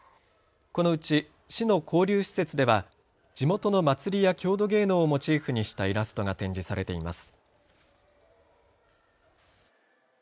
このうち市の交流施設では地元の祭りや郷土芸能をモチーフにしたイラストが展示されています。